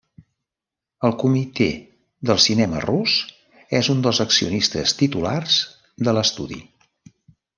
El Comité del cinema rus és un dels accionistes titulars de l'estudi.